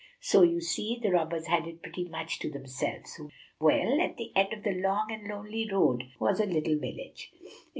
So, you see, the robbers had it pretty much to themselves. Well, at the end of the long and lonely road was a little village.